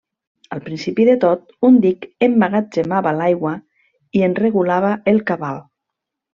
Al principi de tot, un dic emmagatzemava l'aigua i en regulava el cabal.